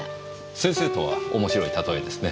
先生とは面白い例えですね。